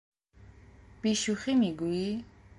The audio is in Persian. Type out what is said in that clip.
بی شوخی میگویی؟